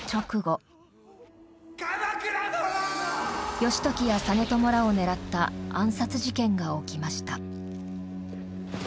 義時や実朝らを狙った暗殺事件が起きました。